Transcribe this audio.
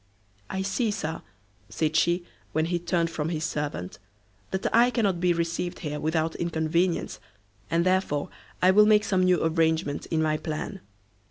"I see, Sir," said she, when he turned from his servant, "that I cannot be received here without inconvenience, and therefore I will make some new arrangement in my plan."